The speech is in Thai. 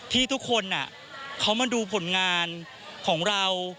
ที่ทุกคนเขามาดูผลงานของเรา